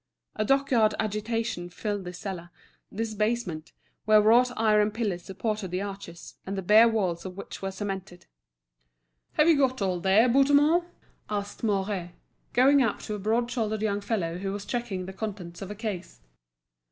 A dockyard agitation filled this cellar, this basement, where wrought iron pillars supported the arches, and the bare walls of which were cemented. "Have you got all there, Bouthemont?" asked Mouret, going up to a broad shouldered young fellow who was checking the contents of a case.